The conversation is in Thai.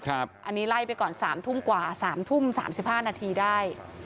อันนี้ไล่ไปก่อน๓ทุ่ม๓๕นาทีได้